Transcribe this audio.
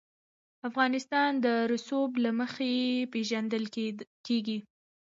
افغانستان د رسوب له مخې پېژندل کېږي.